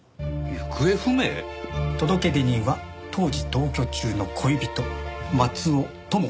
届出人は当時同居中の恋人松尾朋香。